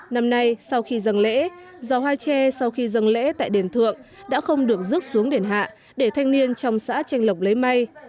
năm nay sau khi dân lễ giò hoa tre sau khi dân lễ tại đền thượng đã không được rước xuống đền hạ để thanh niên trong xã tranh lộc lấy may